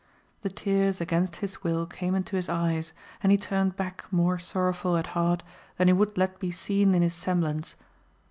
The tears against his wiU came into his eyes, and he turned back more sorrow ful at heart than he would let be seen in his sem blance.